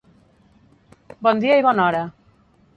Bon dia i bona hora.